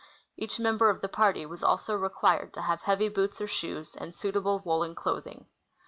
Each member of the party was also required to have heavy boots or shoes, and suitable woolen clothing.